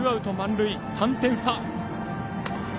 ３点差。